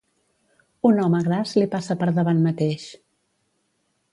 Un home gras li passa per davant mateix.